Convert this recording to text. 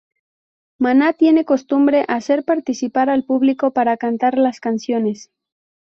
Maná tiene costumbre hacer participar al público para cantar las canciones.